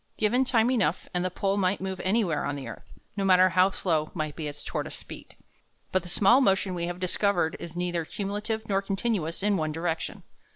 Given time enough, and the pole might move anywhere on the earth, no matter how slow might be its tortoise speed. But the small motion we have discovered is neither cumulative nor continuous in one direction.